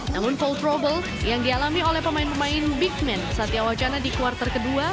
namun full trouble yang dialami oleh pemain pemain big man satya wacana di kuartal kedua